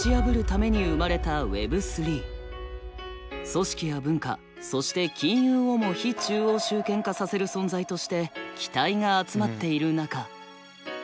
組織や文化そして金融をも非中央集権化させる存在として期待が集まっている中。